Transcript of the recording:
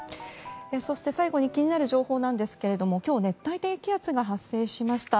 そして最後に気になる情報なんですが今日熱帯低気圧が発生しました。